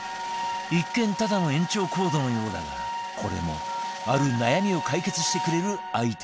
一見ただの延長コードのようだがこれもある悩みを解決してくれるアイテム